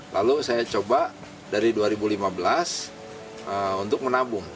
lalu saya coba dari dua ribu lima belas untuk menabung